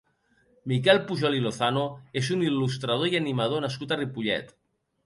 Miquel Pujol i Lozano és un il·lustrador i animador nascut a Ripollet.